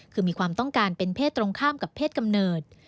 คือมีความต้องการเป็นเพศตรงข้ามกับเพศกำเนิด